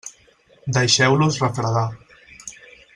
Deixeu-los refredar.